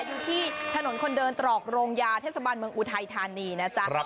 อยู่ที่ถนนคนเดินตรอกโรงยาเทศบาลเมืองอุทัยธานีนะจ๊ะ